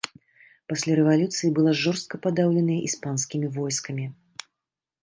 Пасля рэвалюцыя была жорстка падаўленая іспанскімі войскамі.